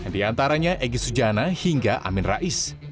di antaranya egy sujana hingga amin rais